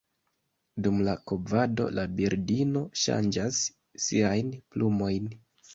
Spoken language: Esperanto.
Dum la kovado la birdino ŝanĝas siajn plumojn.